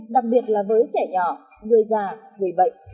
đặc biệt là với trẻ nhỏ người già người bệnh